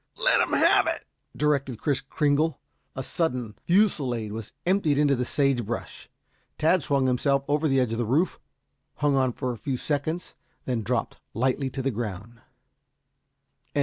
"Let 'em have it," directed Kris Kringle. A sudden fusillade was emptied into the sage brush. Tad swung himself over the edge of the roof, hung on for a few seconds, then dropped lightly to the ground.